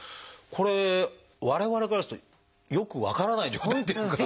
これ我々からするとよく分からない状態っていうか。